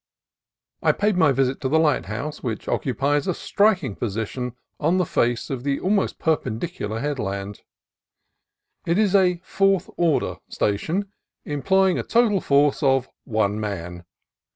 I paid my visit to the lighthouse, which occupies a striking position on the face of the almost perpen dicular headland. It is a "fourth order" station, employing a total force of one man.